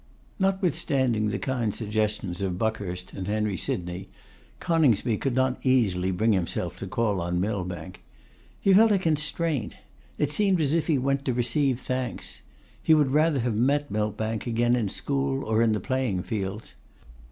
Notwithstanding the kind suggestions of Buckhurst and Henry Sydney, Coningsby could not easily bring himself to call on Millbank. He felt a constraint. It seemed as if he went to receive thanks. He would rather have met Millbank again in school, or in the playing fields.